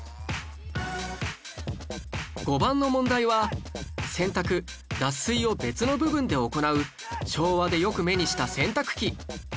５番の問題は洗濯・脱水を別の部分で行う昭和でよく目にした洗濯機